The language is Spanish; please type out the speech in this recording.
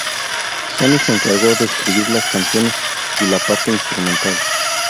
Sonny se encargó de escribir las canciones y la parte instrumental.